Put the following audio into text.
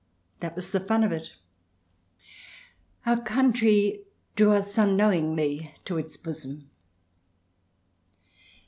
That was the fun of it. Our country drew us unknowingly to its bosom.